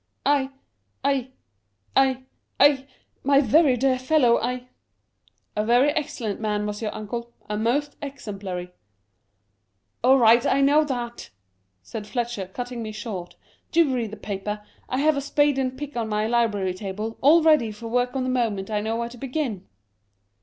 I — I — I — I — my very dear fellow, I "" A very excellent man was your uncle ; a most exemplary "" All right, I know that," said Fletcher, cutting me short. " Do read the paper ; I have a spade and pick on my library table, all ready for work the moment I know where to begin."